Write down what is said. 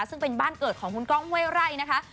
ซึ่งเป็นบ้านเกิดของคุณก้องห้วยไร่นะคะ